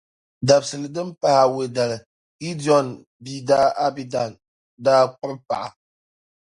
Dabisili din pahi awɛi dali, Gidiɔni bia Abidan daa kpuɣi paɣa.